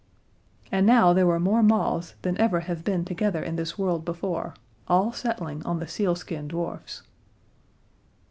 And now there were more moths than have ever been together in this world before, all settling on the sealskin dwarfs.